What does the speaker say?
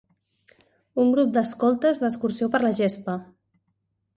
Un grup d'escoltes d'excursió per la gespa.